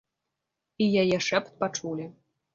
І яе шэпт пачулі.